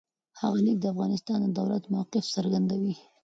هغه لیک د افغانستان د دولت موقف څرګندوي.